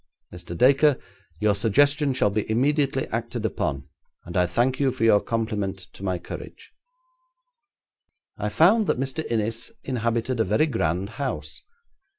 'Mr. Dacre, your suggestion shall be immediately acted upon, and I thank you for your compliment to my courage.' I found that Mr. Innis inhabited a very grand house.